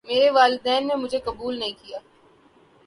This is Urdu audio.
میرے والدین نے مجھے قبول نہیں کیا